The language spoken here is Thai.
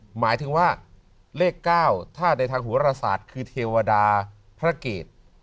หมายถึงว่าเลข๙ถ้าในทางหัวรศาสตร์คือเทวดาพระเกต